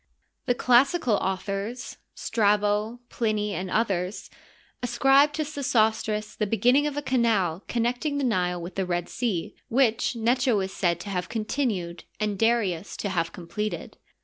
The classical authors, Strabo, Plinv, and others, ascribe to Sesostris the beginning of a canal connecting the Nile with the Red Sea, which Necho'is said to have continued and Darius to have completed.